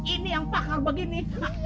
ini yang pakar begini